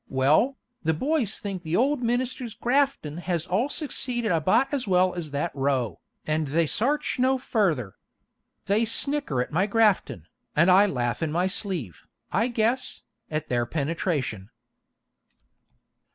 Well, the boys think the old minister's graftin' has all succeeded about as well as that row, and they sarch no further. They snicker at my graftin', and I laugh in my sleeve, I guess, at their penetration.'